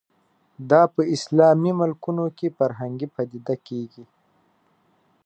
دا په اسلامي ملکونو کې فرهنګي پدیده کېږي